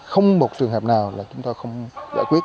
không một trường hợp nào là chúng tôi không giải quyết